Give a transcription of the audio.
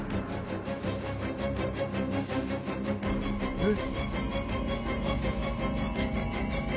えっ？